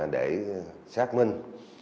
để xác minh